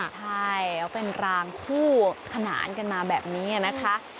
ใช่แล้วเป็นรางคู่ขนานกันมาแบบนี้นะคะ